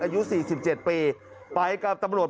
อายุ๔๗ปีไปกับตำรวจ